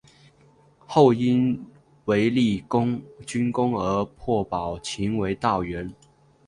后因屡立军功而被保奏为道员。